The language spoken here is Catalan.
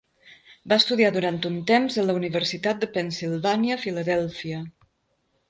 Va estudiar durant un temps a la Universitat de Pennsilvània a Filadèlfia.